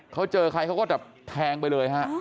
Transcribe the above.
เขาเจอใครเขาก็จะแทงไปเลยฮะ